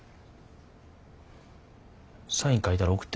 サイン書いたら送って。